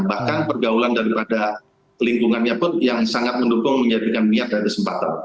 bahkan pergaulan daripada lingkungannya pun yang sangat mendukung menjadikan niat dan kesempatan